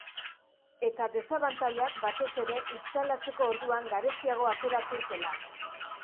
Eta desabantailak, batez ere, instalatzeko orduan garestiago ateratzen zela.